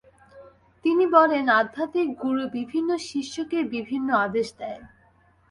তিনি বলেন আধ্যাত্মিক গুরু বিভিন্ন শিষ্যকে বিভিন্ন আদেশ দেয়।